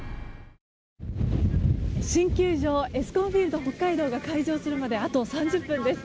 新球場エスコンフィールドＨＯＫＫＡＩＤＯが開場するまであと３０分です。